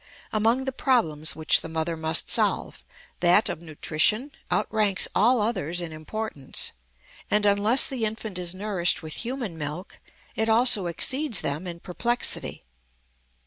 Among the problems which the mother must solve, that of nutrition outranks all others in importance; and unless the infant is nourished with human milk, it also exceeds them in perplexity.